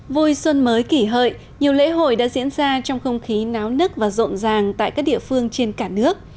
vui xuân mới kỷ hợi nhiều lễ hội đã diễn ra trong không khí náo nức và rộn ràng tại các địa phương trên cả nước